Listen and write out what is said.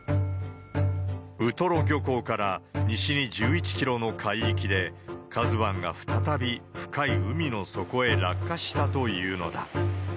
ウトロ漁港から西に１１キロの海域で、ＫＡＺＵＩが再び深い海の底へ落下したというのだ。